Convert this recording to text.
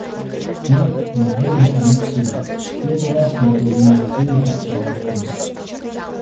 Смерть, неизбежный конец всего, в первый раз с неотразимою силой представилась ему.